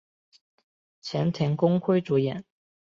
前田公辉主演。